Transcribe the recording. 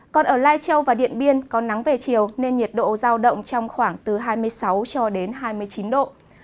còn ở lai châu và điện biên có nắng về chiều nên nhiệt độ giao động trong khoảng từ hai mươi sáu cho đến hai mươi chín độ